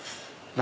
何？